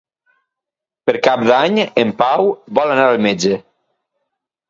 Per Cap d'Any en Pau vol anar al metge.